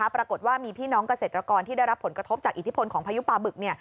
ปรากฏว่ามีพี่น้องเกษตรกรที่ได้รับผลกระทบจากอิทธิพลของพายุปลาบึก